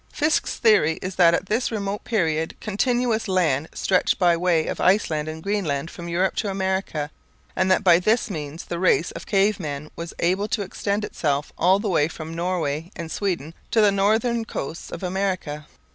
Fiske's theory is that at this remote period continuous land stretched by way of Iceland and Greenland from Europe to America, and that by this means the race of cave men was able to extend itself all the way from Norway and Sweden to the northern coasts of America.